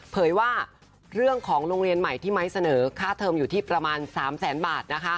เผยว่าเรื่องของโรงเรียนใหม่ที่ไม้เสนอค่าเทอมอยู่ที่ประมาณ๓แสนบาทนะคะ